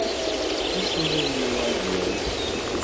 Wissen ma yenwa ad d-yas.